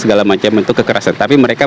segala macam bentuk kekerasan tapi mereka